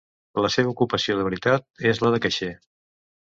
La seva ocupació de veritat és la de caixer.